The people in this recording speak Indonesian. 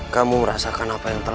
kamu merasakan apa yang terjadi